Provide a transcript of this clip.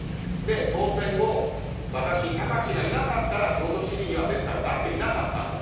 当選後、私、貴志がいなかったら京都市議にはなっていなかったんだと。